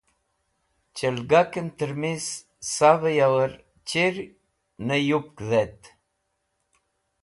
Chẽlgakẽn tẽrmis savẽ yor chir ne yupk dhet?